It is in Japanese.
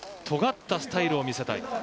とがったスタイルを見せたい。